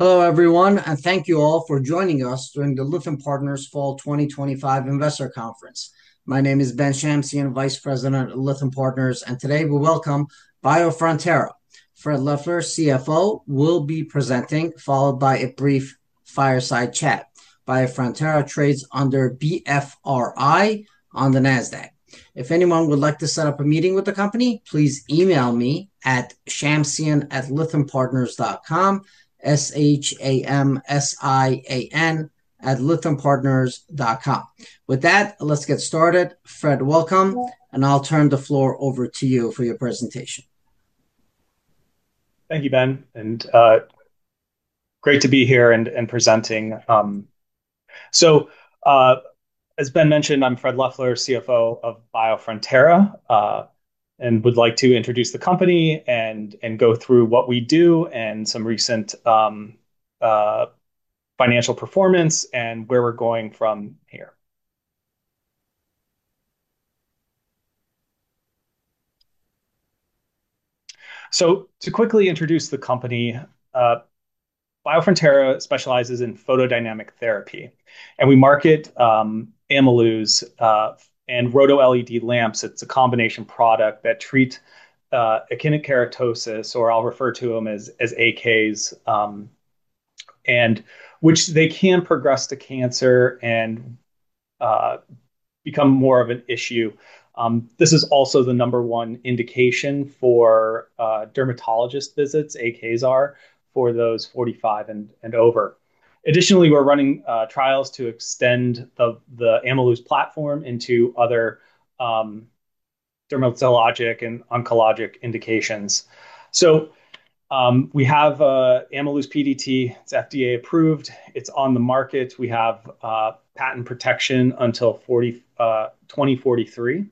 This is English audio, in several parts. Hello everyone, and thank you all for joining us during the Lytham Partners Fall 2025 Investor Conference. My name is Ben Shamsian, Vice President of Lytham Partners, and today we welcome Biofrontera. Fred Leffler, CFO, will be presenting, followed by a brief fireside chat. Biofrontera trades under BFRI on the NASDAQ. If anyone would like to set up a meeting with the company, please email me at shamsian@lythampartners.com. S-H-A-M-S-I-A-N at lythampartners dot com. With that, let's get started. Fred, welcome, and I'll turn the floor over to you for your presentation. Thank you, Ben, and great to be here and presenting. As Ben mentioned, I'm Fred Leffler, CFO of Biofrontera, and would like to introduce the company and go through what we do and some recent financial performance and where we're going from here. To quickly introduce the company, Biofrontera specializes in photodynamic therapy, and we market Ameluz and RhodoLED lamps. It's a combination product that treats actinic keratosis, or I'll refer to them as AKs, which can progress to cancer and become more of an issue. This is also the number one indication for dermatologist visits, AKs are, for those 45 and over. Additionally, we're running trials to extend the Ameluz platform into other dermatologic and oncologic indications. We have Ameluz PDT, it's FDA approved, it's on the market, we have patent protection until 2043,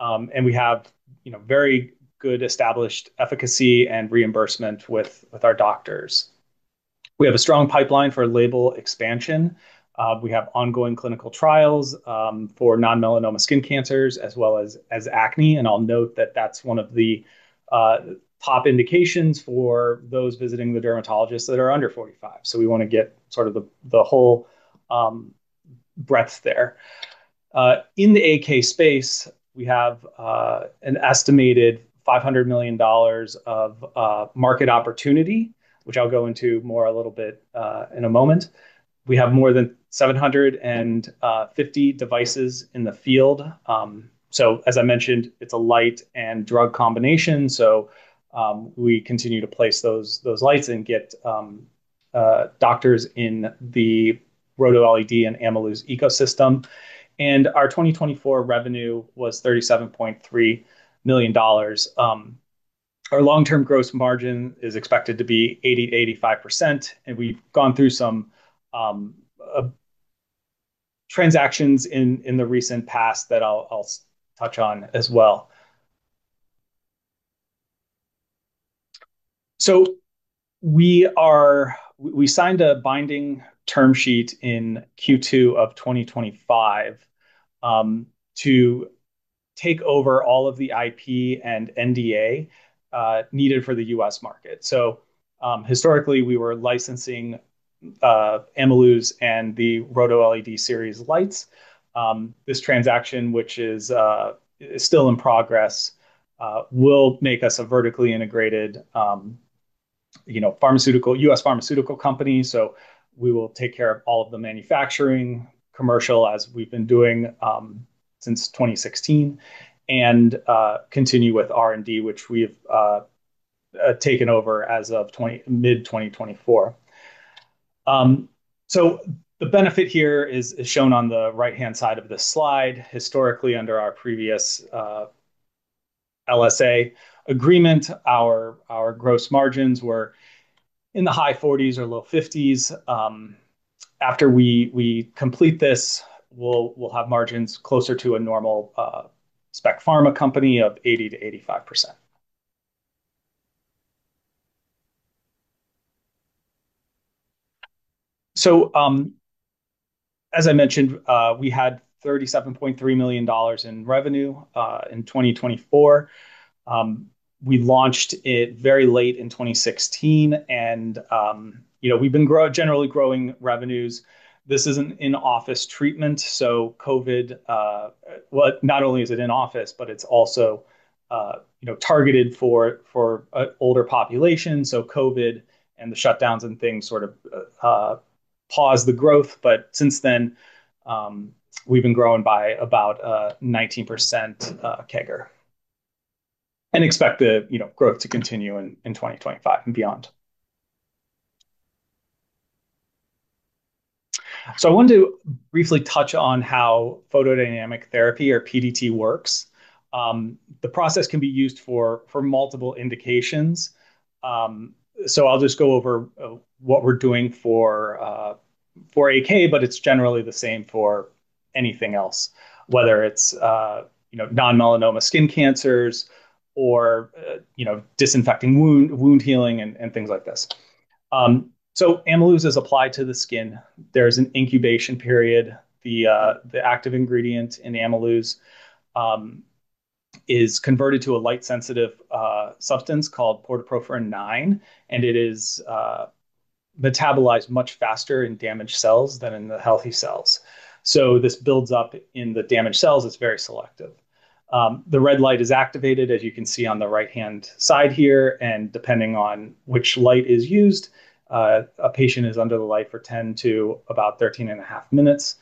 and we have very good established efficacy and reimbursement with our doctors. We have a strong pipeline for label expansion. We have ongoing clinical trials for non-melanoma skin cancers as well as acne, and I'll note that that's one of the top indications for those visiting the dermatologists that are under 45. We want to get sort of the whole breadth there. In the AK space, we have an estimated $500 million of market opportunity, which I'll go into more a little bit in a moment. We have more than 750 devices in the field. As I mentioned, it's a light and drug combination, so we continue to place those lights and get doctors in the RhodoLED and Ameluz ecosystem. Our 2024 revenue was $37.3 million. Our long-term gross margin is expected to be 80%-85%, and we've gone through some transactions in the recent past that I'll touch on as well. We signed a binding term sheet in Q2 of 2025 to take over all of the IP and NDA rights needed for the U.S. market. Historically, we were licensing Ameluz and the RhodoLED series lights. This transaction, which is still in progress, will make us a vertically integrated U.S. pharmaceutical company. We will take care of all of the manufacturing, commercial, as we've been doing since 2016, and continue with R&D, which we have taken over as of mid-2024. The benefit here is shown on the right-hand side of this slide. Historically, under our previous LSA agreement, our gross margins were in the high 40s or low 50s. After we complete this, we'll have margins closer to a normal spec pharma company of 80%-85%. As I mentioned, we had $37.3 million in revenue in 2024. We launched it very late in 2016, and we've been generally growing revenues. This is an in-office treatment, so COVID, not only is it in-office, but it's also targeted for older populations, so COVID and the shutdowns and things sort of paused the growth, but since then, we've been growing by about 19% CAGR and expect the growth to continue in 2025 and beyond. I wanted to briefly touch on how photodynamic therapy, or PDT, works. The process can be used for multiple indications. I'll just go over what we're doing for AK, but it's generally the same for anything else, whether it's non-melanoma skin cancers or disinfecting wound healing and things like this. Ameluz is applied to the skin. There is an incubation period. The active ingredient in Ameluz is converted to a light-sensitive substance called protoporphyrin IX, and it is metabolized much faster in damaged cells than in the healthy cells. This builds up in the damaged cells, it's very selective. The red light is activated, as you can see on the right-hand side here, and depending on which light is used, a patient is under the light for 10 to about 13.5 minutes.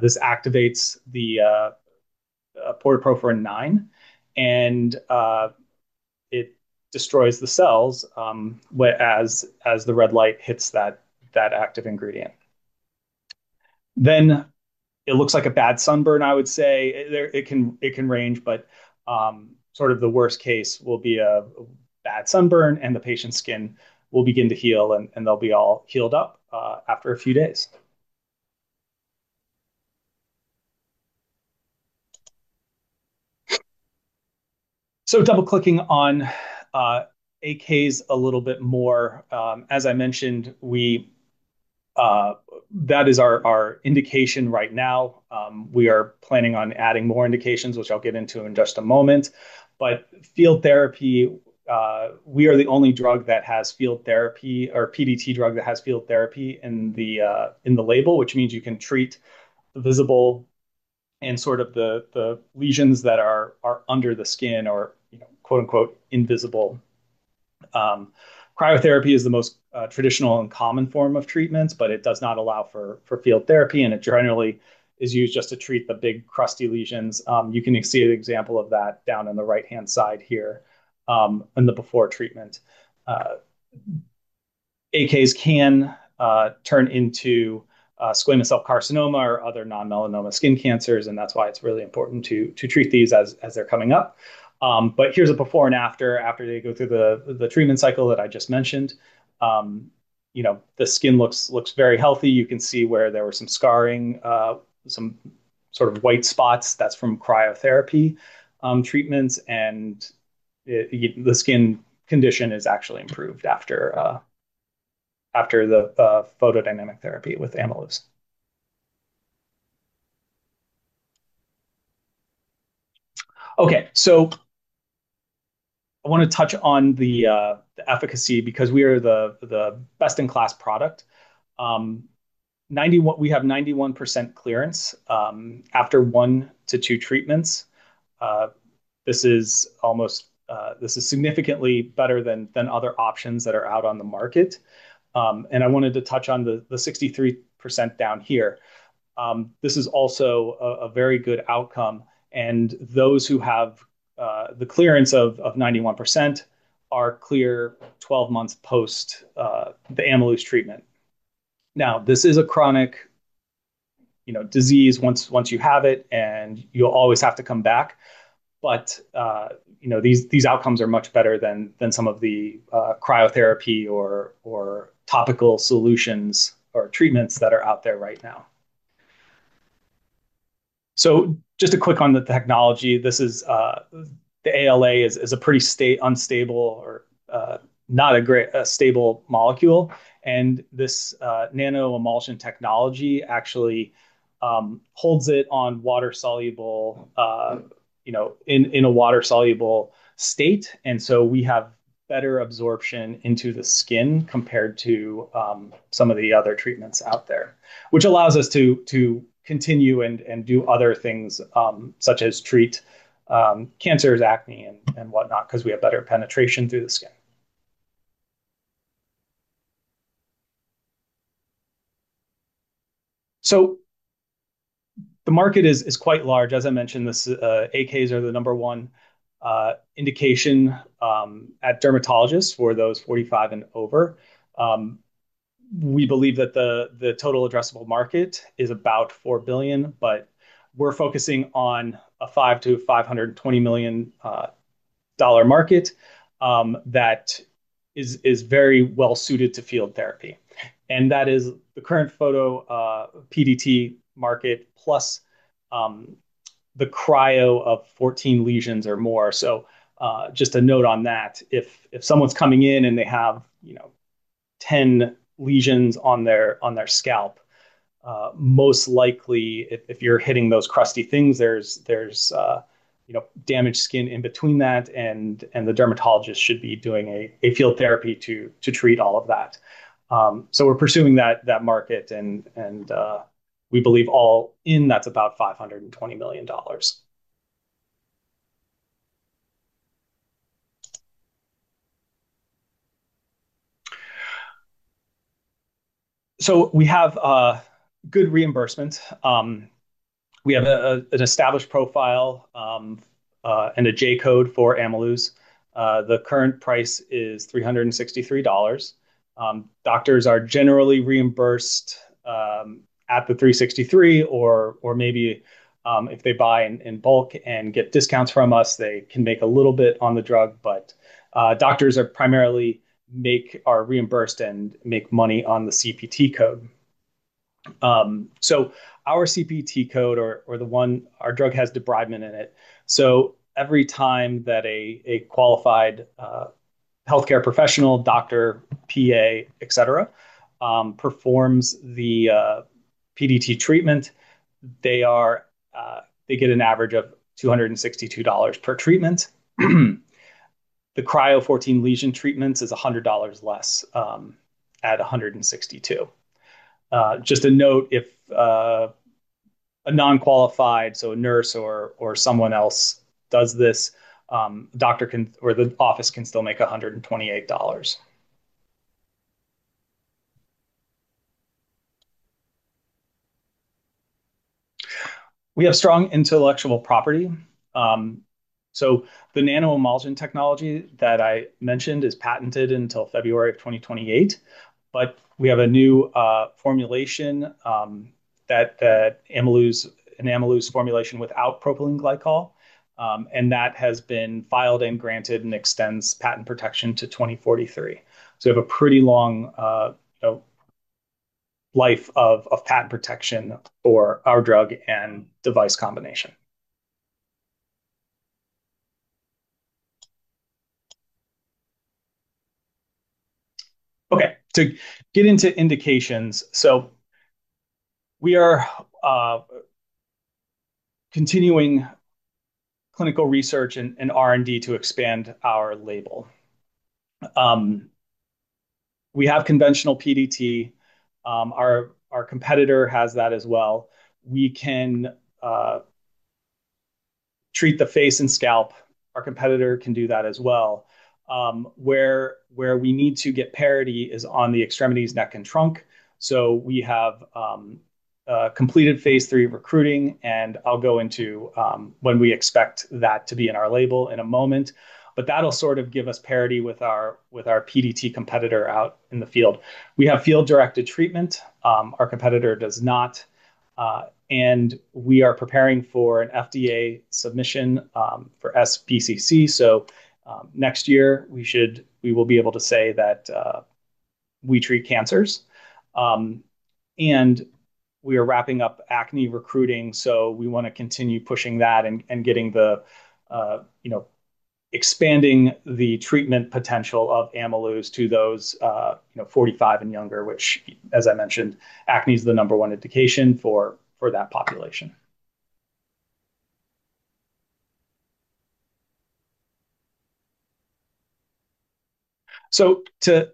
This activates the protoporphyrin IX, and it destroys the cells as the red light hits that active ingredient. It looks like a bad sunburn, I would say. It can range, but sort of the worst case will be a bad sunburn, and the patient's skin will begin to heal, and they'll be all healed up after a few days. Double-clicking on AKs a little bit more, as I mentioned, that is our indication right now. We are planning on adding more indications, which I'll get into in just a moment. Field therapy, we are the only drug that has field therapy or PDT drug that has field therapy in the label, which means you can treat visible and sort of the lesions that are under the skin or "invisible." Cryotherapy is the most traditional and common form of treatment, but it does not allow for field therapy, and it generally is used just to treat the big crusty lesions. You can see an example of that down on the right-hand side here in the before treatment. AKs can turn into squamous cell carcinoma or other non-melanoma skin cancers, and that's why it's really important to treat these as they're coming up. Here's a before and after, after they go through the treatment cycle that I just mentioned. The skin looks very healthy. You can see where there was some scarring, some sort of white spots. That's from cryotherapy treatments, and the skin condition is actually improved after the photodynamic therapy with Ameluz. Okay, I want to touch on the efficacy because we are the best-in-class product. We have 91% clearance after one to two treatments. This is significantly better than other options that are out on the market. I wanted to touch on the 63% down here. This is also a very good outcome, and those who have the clearance of 91% are clear 12 months post the Ameluz treatment. Now, this is a chronic disease once you have it, and you'll always have to come back, but these outcomes are much better than some of the cryotherapy or topical solutions or treatments that are out there right now. Just to click on the technology, the ALA is a pretty unstable or not a stable molecule, and this nanoemulsion technology actually holds it in a water soluble state, and we have better absorption into the skin compared to some of the other treatments out there, which allows us to continue and do other things such as treat cancers, acne, and whatnot because we have better penetration through the skin. The market is quite large. As I mentioned, AKs are the number one indication at dermatologists for those 45 and over. We believe that the total addressable market is about $4 billion, but we're focusing on a $5 million-$520 million market that is very well suited to field therapy. That is the current photo PDT market plus the cryo of 14 lesions or more. Just a note on that. If someone's coming in and they have 10 lesions on their scalp, most likely if you're hitting those crusty things, there's damaged skin in between that, and the dermatologist should be doing a field therapy to treat all of that. We're pursuing that market, and we believe all in that's about $520 million. We have good reimbursement. We have an established profile and a J-code for Ameluz. The current price is $363. Doctors are generally reimbursed at the $363 or maybe if they buy in bulk and get discounts from us, they can make a little bit on the drug, but doctors are primarily reimbursed and make money on the CPT code. Our CPT code or the one our drug has debridement in it. Every time that a qualified healthcare professional, doctor, PA, etc., performs the PDT treatment, they get an average of $262 per treatment. The cryo 14 lesion treatments is $100 less at $162. Just a note, if a non-qualified, so a nurse or someone else does this, the doctor or the office can still make $128. We have strong intellectual property. The nanoemulsion technology that I mentioned is patented until February of 2028, but we have a new formulation that Ameluz, an Ameluz formulation without propylene glycol, and that has been filed and granted and extends patent protection to 2043. We have a pretty long life of patent protection for our drug and device combination. To get into indications, we are continuing clinical research and R&D to expand our label. We have conventional PDT. Our competitor has that as well. We can treat the face and scalp. Our competitor can do that as well. Where we need to get parity is on the extremities, neck, and trunk. We have completed phase three recruiting, and I'll go into when we expect that to be in our label in a moment, but that'll sort of give us parity with our PDT competitor out in the field. We have field-directed treatment. Our competitor does not, and we are preparing for an FDA submission for SPCC. Next year we will be able to say that we treat cancers, and we are wrapping up acne recruiting. We want to continue pushing that and expanding the treatment potential of Ameluz to those 45 and younger, which, as I mentioned, acne is the number one indication for that population. To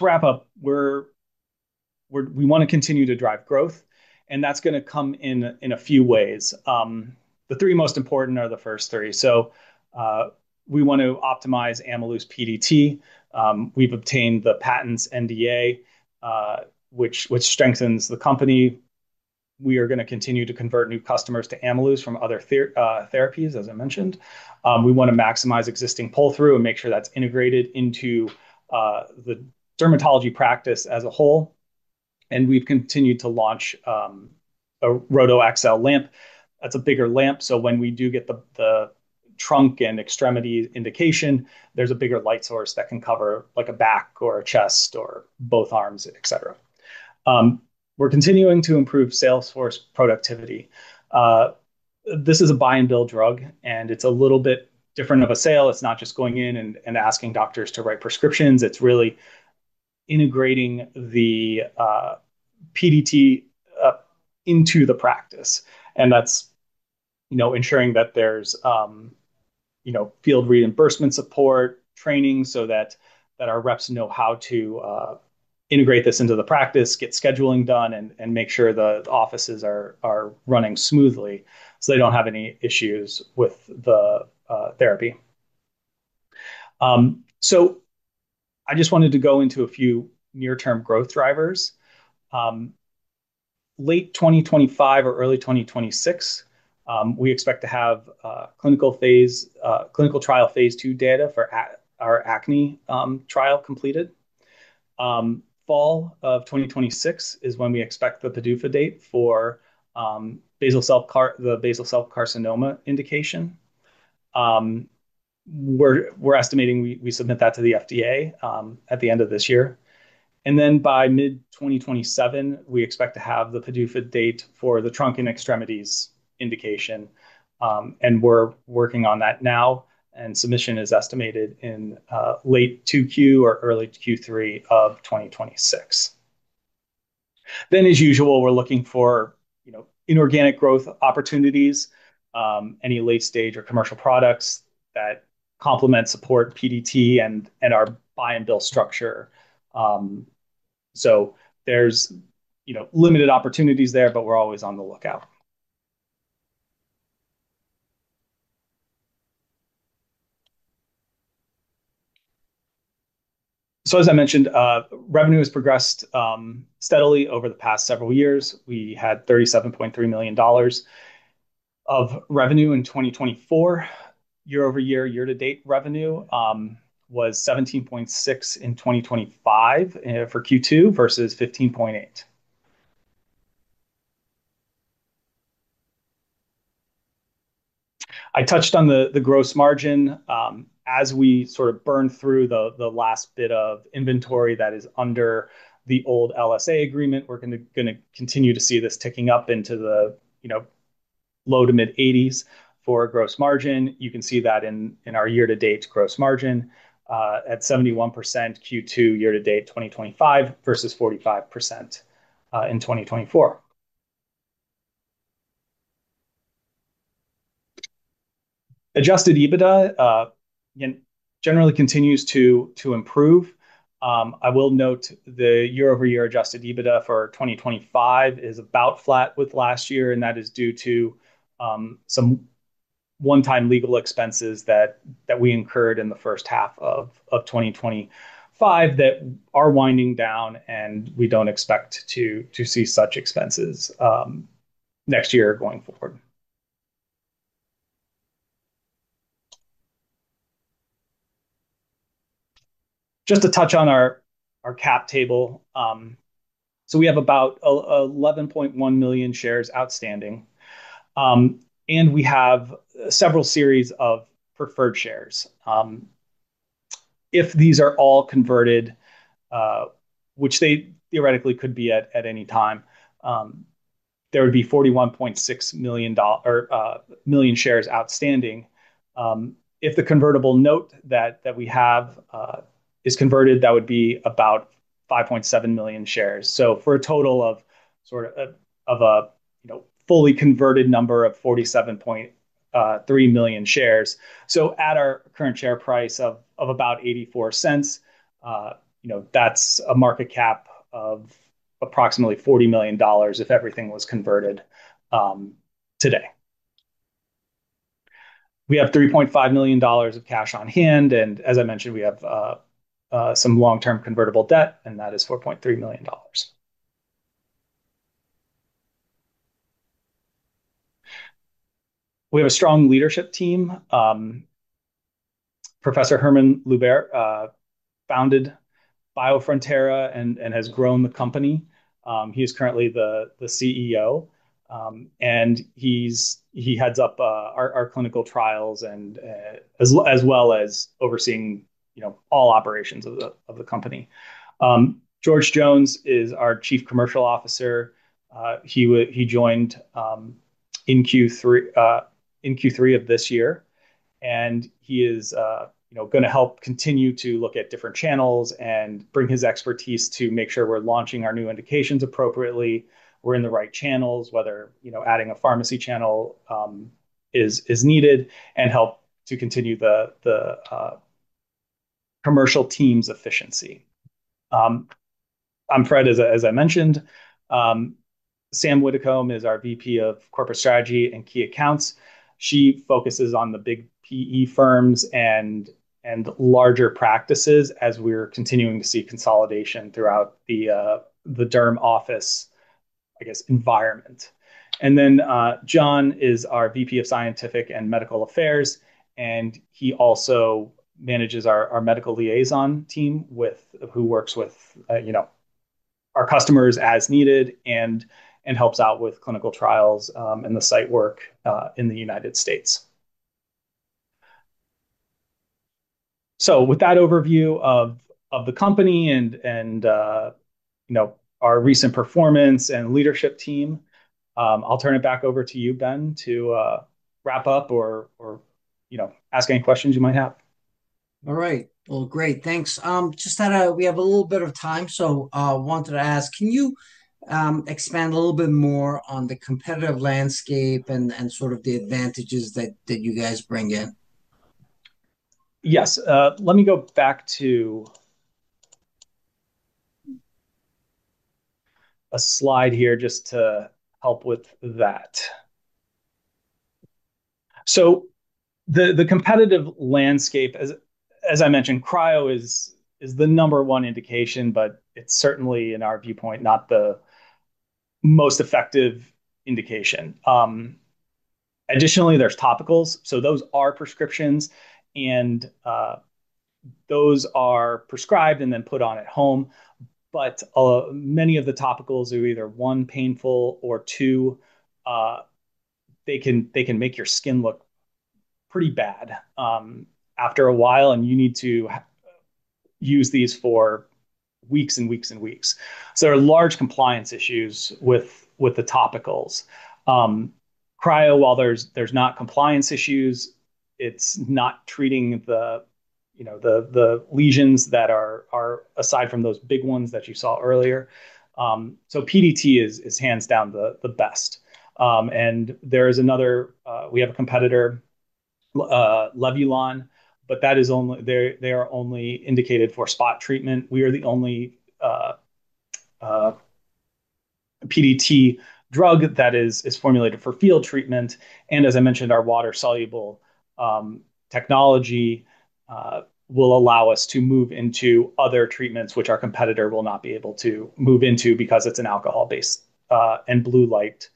wrap up, we want to continue to drive growth, and that's going to come in a few ways. The three most important are the first three. We want to optimize Ameluz PDT. We've obtained the patent's NDA, which strengthens the company. We are going to continue to convert new customers to Ameluz from other therapies, as I mentioned. We want to maximize existing pull-through and make sure that's integrated into the dermatology practice as a whole, and we've continued to launch a RhodoLED XL lamp. That's a bigger lamp, so when we do get the trunk and extremity indication, there's a bigger light source that can cover like a back or a chest or both arms, etc. We're continuing to improve salesforce productivity. This is a buy-and-bill drug, and it's a little bit different of a sale. It's not just going in and asking doctors to write prescriptions. It's really integrating the PDT into the practice, and that's ensuring that there's field reimbursement support, training, so that our reps know how to integrate this into the practice, get scheduling done, and make sure the offices are running smoothly so they don't have any issues with the therapy. I just wanted to go into a few near-term growth drivers. Late 2025 or early 2026, we expect to have clinical trial phase II data for our acne trial completed. Fall of 2026 is when we expect the PDUFA date for the basal cell carcinoma indication. We're estimating we submit that to the FDA at the end of this year. By mid-2027, we expect to have the PDUFA date for the trunk and extremities indication, and we're working on that now, and submission is estimated in late Q2 or early Q3 of 2026. As usual, we're looking for inorganic growth opportunities, any late-stage or commercial products that complement support PDT and our buy-and-bill structure. There's limited opportunities there, but we're always on the lookout. As I mentioned, revenue has progressed steadily over the past several years. We had $37.3 million of revenue in 2024. Year-over-year, year-to-date revenue was $17.6 million in 2025 for Q2 versus $15.8 million. I touched on the gross margin. As we sort of burn through the last bit of inventory that is under the old LSA agreement, we're going to continue to see this ticking up into the low to mid-80% for gross margin. You can see that in our year-to-date gross margin at 71% Q2 year-to-date 2025 versus 45% in 2024. Adjusted EBITDA generally continues to improve. I will note the year-over-year adjusted EBITDA for 2025 is about flat with last year, and that is due to some one-time legal expenses that we incurred in the first half of 2025 that are winding down, and we don't expect to see such expenses next year going forward. Just to touch on our cap table, we have about 11.1 million shares outstanding, and we have several series of preferred shares. If these are all converted, which they theoretically could be at any time, there would be 41.6 million shares outstanding. If the convertible note that we have is converted, that would be about 5.7 million shares. For a total of sort of a fully converted number of 47.3 million shares, at our current share price of about $0.84, that's a market cap of approximately $40 million if everything was converted today. We have $3.5 million of cash on hand, and as I mentioned, we have some long-term convertible debt, and that is $4.3 million. We have a strong leadership team. Professor Hermann Luebbert founded Biofrontera and has grown the company. He is currently the CEO, and he heads up our clinical trials as well as overseeing all operations of the company. George Jones is our Chief Commercial Officer. He joined in Q3 of this year, and he is going to help continue to look at different channels and bring his expertise to make sure we're launching our new indications appropriately, we're in the right channels, whether adding a pharmacy channel is needed, and help to continue the commercial team's efficiency. I'm Fred, as I mentioned. Sam Widdicombe is our VP of Corporate Strategy and Key Accounts. She focuses on the big PE firms and larger practices as we're continuing to see consolidation throughout the derm office environment. Jon is our VP of Scientific and Medical Affairs, and he also manages our medical liaison team who works with our customers as needed and helps out with clinical trials and the site work in the U.S. With that overview of the company and our recent performance and leadership team, I'll turn it back over to you, Ben, to wrap up or ask any questions you might have. All right. Great. Thanks. Just that we have a little bit of time, I wanted to ask, can you expand a little bit more on the competitive landscape and sort of the advantages that you guys bring in? Yes. Let me go back to a slide here just to help with that. The competitive landscape, as I mentioned, cryo is the number one indication, but it's certainly, in our viewpoint, not the most effective indication. Additionally, there are topicals, so those are prescriptions, and those are prescribed and then put on at home. Many of the topicals are either, one, painful, or two, they can make your skin look pretty bad after a while, and you need to use these for weeks and weeks and weeks. There are large compliance issues with the topicals. Cryo, while there's not compliance issues, it's not treating the lesions that are aside from those big ones that you saw earlier. PDT is hands down the best. There is another, we have a competitor, Levulan, but they are only indicated for spot treatment. We are the only PDT drug that is formulated for field treatment, and as I mentioned, our water soluble technology will allow us to move into other treatments, which our competitor will not be able to move into because it's an alcohol-based and blue light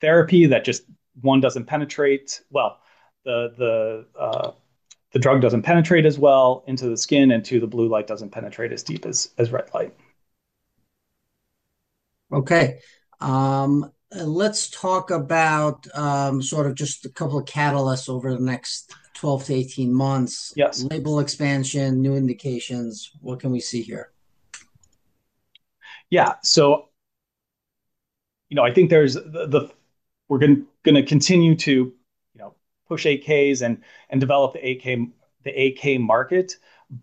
therapy that just, one, doesn't penetrate. The drug doesn't penetrate as well into the skin, and two, the blue light doesn't penetrate as deep as red light. Okay. Let's talk about just a couple of catalysts over the next 12 to 18 months. Label expansion, new indications, what can we see here? Yeah. I think we're going to continue to push AKs and develop the AK market,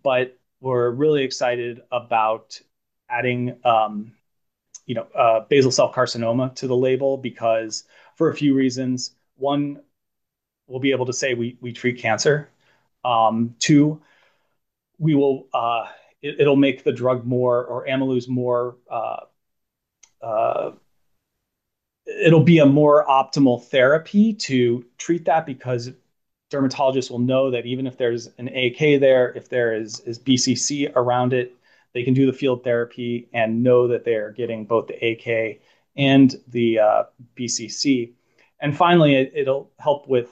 but we're really excited about adding basal cell carcinoma to the label because for a few reasons. One, we'll be able to say we treat cancer. Two, it'll make the drug or Ameluz more, it'll be a more optimal therapy to treat that because dermatologists will know that even if there's an AK there, if there is BCC around it, they can do the field therapy and know that they're getting both the AK and the BCC. Finally, it'll help with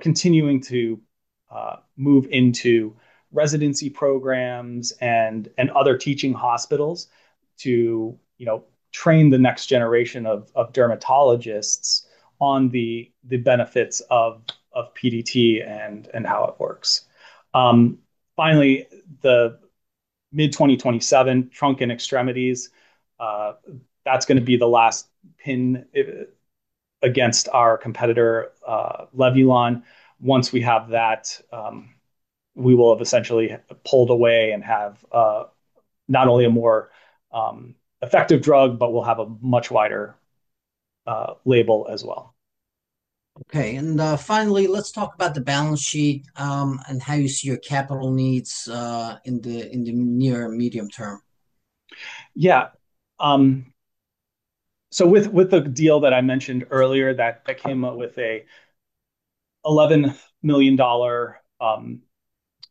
continuing to move into residency programs and other teaching hospitals to train the next generation of dermatologists on the benefits of PDT and how it works. Finally, the mid-2027 trunk and extremities, that's going to be the last pin against our competitor Levulan. Once we have that, we will have essentially pulled away and have not only a more effective drug, but we'll have a much wider label as well. Okay. Finally, let's talk about the balance sheet and how you see your capital needs in the near and medium term. Yeah. With the deal that I mentioned earlier that came up with an $11 million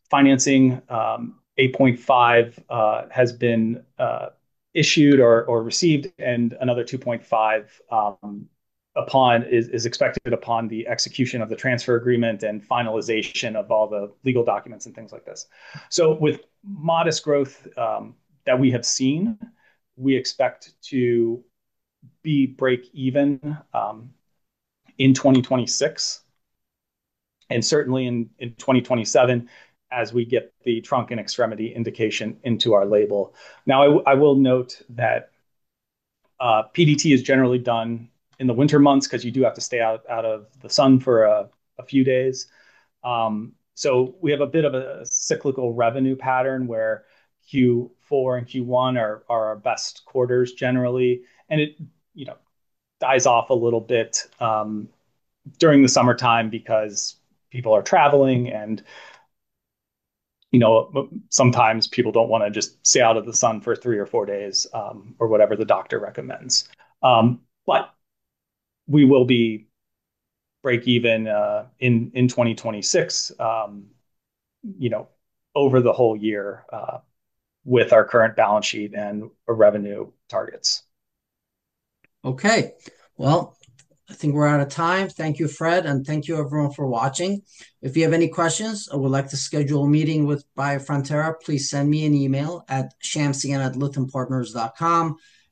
financing, $8.5 million has been issued or received, and another $2.5 million is expected upon the execution of the transfer agreement and finalization of all the legal documents and things like this. With modest growth that we have seen, we expect to be break-even in 2026 and certainly in 2027 as we get the trunk and extremity indication into our label. I will note that PDT is generally done in the winter months because you do have to stay out of the sun for a few days. We have a bit of a cyclical revenue pattern where Q4 and Q1 are our best quarters generally, and it dies off a little bit during the summertime because people are traveling, and sometimes people don't want to just stay out of the sun for three or four days or whatever the doctor recommends. We will be break-even in 2026 over the whole year with our current balance sheet and revenue targets. Thank you, Fred, and thank you everyone for watching. If you have any questions or would like to schedule a meeting with Biofrontera, please send me an email at shamsian@lithuanpartners.com.